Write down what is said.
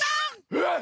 うわっ！